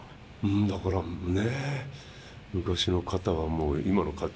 だからね